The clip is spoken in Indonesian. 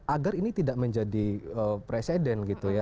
agar ini tidak menjadi presiden